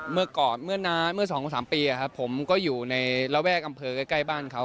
เมื่อก่อนเมื่อนานเมื่อสองสามปีผมก็อยู่ในระแวกอำเภอใกล้บ้านเขา